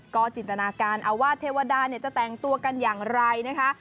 ก็จินตนาการเอาว่าเทวดาจะแต่งตัวกันอย่างไรนะคะ